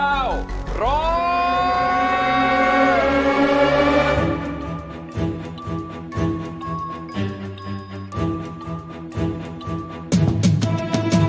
แล้วนะครับ